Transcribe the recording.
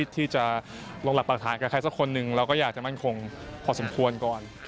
ที่จะลงหลักปรักฐานกับใครสักคนหนึ่งเราก็อยากจะมั่นคงพอสมควรก่อน